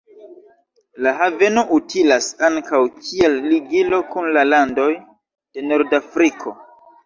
La haveno utilas ankaŭ kiel ligilo kun la landoj de Nordafriko.